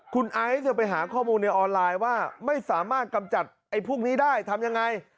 คุณไอซ์จะไปหาข้อมูลในออนไลน์ว่าไม่สามารถกำจัดไอ้พวกนี้ได้ทำยังไง